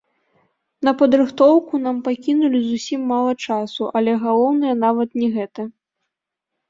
На падрыхтоўку нам пакінулі зусім мала часу, але галоўнае нават не гэта.